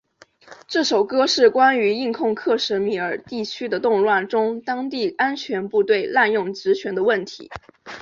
这首歌是关于印控克什米尔地区的动乱中当地安全部队滥用职权的问题。